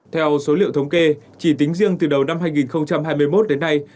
theo số liệu thống kê chỉ tính riêng từ đầu năm hai nghìn hai mươi một đến nay